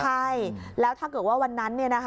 ใช่แล้วถ้าเกิดว่าวันนั้น